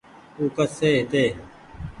او ڪسي هيتي ۔